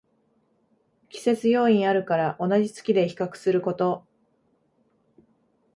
季節要因あるから同じ月で比較すること